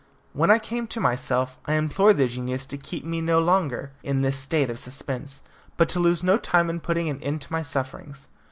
When I came to myself I implored the genius to keep me no longer in this state of suspense, but to lose no time in putting an end to my sufferings.